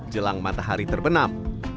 jelang matahari terbenam